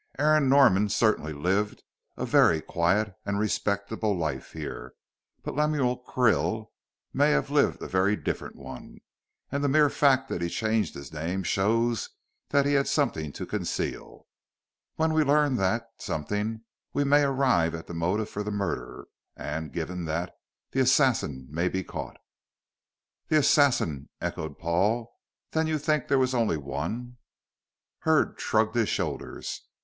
Aaron Norman certainly lived a very quiet and respectable life here. But Lemuel Krill may have lived a very different one, and the mere fact that he changed his name shows that he had something to conceal. When we learn that something we may arrive at the motive for the murder, and, given that, the assassin may be caught." "The assassin!" echoed Paul. "Then you think there was only one." Hurd shrugged his shoulders.